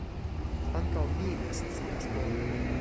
Ankaŭ mi ne scias bone.